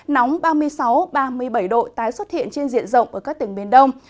nóng ba mươi sáu ba mươi bảy độ tái xuất hiện trên diện rộng ở các tỉnh miền đông